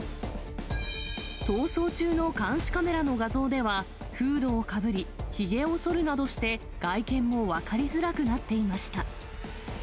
逃走中の監視カメラの画像では、フードをかぶり、ひげをそるなどして、外見も分かりづらくなっていました。